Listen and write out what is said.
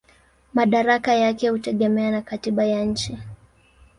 Madaraka yake hutegemea na katiba ya nchi.